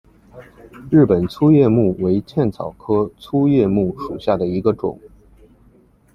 日本粗叶木为茜草科粗叶木属下的一个种。